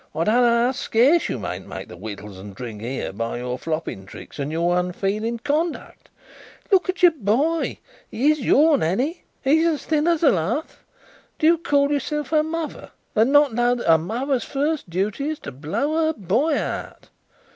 I don't know how scarce you mayn't make the wittles and drink here, by your flopping tricks and your unfeeling conduct. Look at your boy: he is your'n, ain't he? He's as thin as a lath. Do you call yourself a mother, and not know that a mother's first duty is to blow her boy out?"